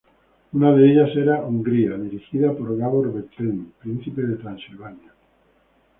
Una de ellas era Hungría, dirigida por Gábor Bethlen, Príncipe de Transilvania.